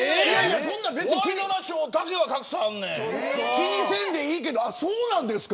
ワイドナショーだけは気にせんでいいけどそうなんですか。